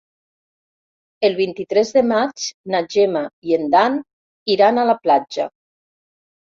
El vint-i-tres de maig na Gemma i en Dan iran a la platja.